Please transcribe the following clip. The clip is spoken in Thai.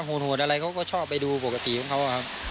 โหดอะไรเขาก็ชอบไปดูปกติของเขาครับ